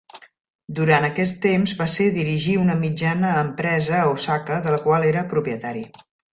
Durant aquest temps va ser dirigir una mitjana empresa a Osaka de la qual era propietari.